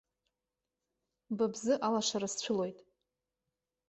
Ба бзы алашара сцәылоит.